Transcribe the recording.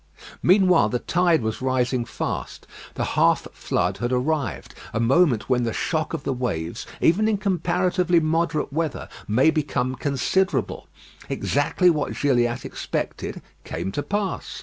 Meanwhile the tide was rising fast; the half flood had arrived, a moment when the shock of the waves, even in comparatively moderate weather, may become considerable. Exactly what Gilliatt expected came to pass.